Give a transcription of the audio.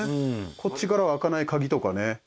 こっちからは開かない鍵とかね